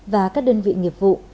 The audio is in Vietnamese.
và các đơn vị nghiệp vụ